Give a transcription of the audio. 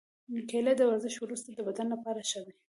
کېله د ورزش وروسته د بدن لپاره ښه ده.